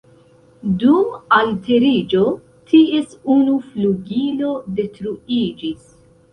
Dum alteriĝo, ties unu flugilo detruiĝis.